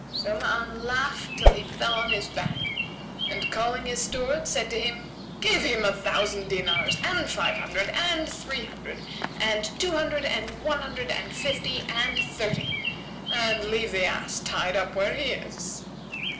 So Ma'an laughed, till he fell on his back; and, calling his steward, said to him, "Give him a thousand dinars and five hundred and three hundred and two hundred and one hundred and fifty and thirty; and leave the ass tied up where he is."